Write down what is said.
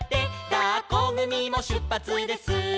「だっこぐみもしゅっぱつです」